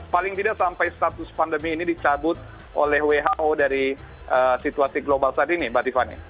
paling tidak sampai status pandemi ini dicabut oleh who dari situasi global saat ini mbak tiffany